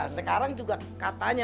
sekarang juga katanya